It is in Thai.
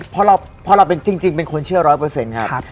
เพราะเราเป็นจริงเป็นคนเชื่อร้อยเปอร์เซ็นต์ครับ